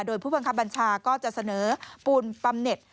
โดยผู้บังคับบัญชาก็จะเสนอปูนปำเน็ต